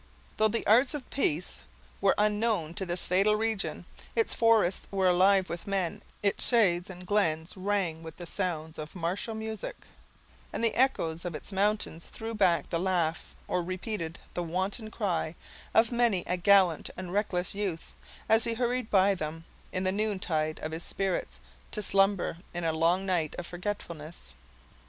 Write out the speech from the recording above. Though the arts of peace were unknown to this fatal region, its forests were alive with men; its shades and glens rang with the sounds of martial music, and the echoes of its mountains threw back the laugh, or repeated the wanton cry, of many a gallant and reckless youth, as he hurried by them, in the noontide of his spirits, to slumber in a long night of forgetfulness.